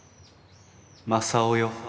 ・正雄よ